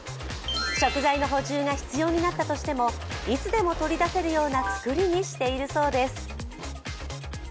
食材の補充が必要になったとしてもいつでも取り出せるような作りにしているそうです。